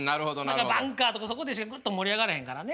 何かバンカーとかそこでしかグッと盛り上がらへんからね。